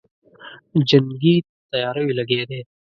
جنګي تیاریو لګیا دی.